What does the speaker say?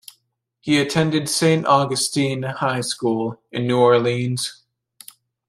He attended Saint Augustine High School in New Orleans.